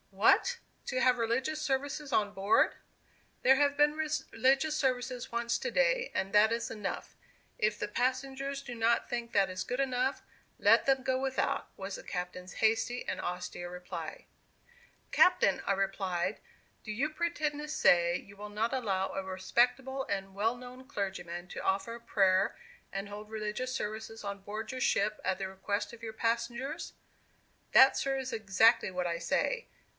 "What! to have religious services on board?" "There have been religious services once to day, and that is enough. If the passengers do not think that is good enough, let them go without," was the captain's hasty and austere reply. "Captain," I replied, "do you pretend to say you will not allow a respectable and well known clergyman to offer a prayer and hold religious services on board your ship at the request of your passengers?" "That, sir, is exactly what I say.